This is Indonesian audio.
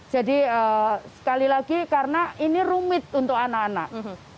jadi sekali lagi karena ini rumit untuk anak anak